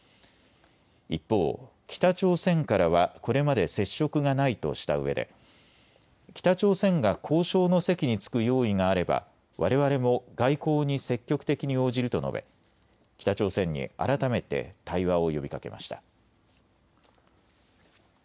一方、北朝鮮からはこれまで接触がないとしたうえで北朝鮮が交渉の席に着く用意があれば、われわれも外交に積極的に応じると述べ北朝鮮に改めて対話を呼びかけました。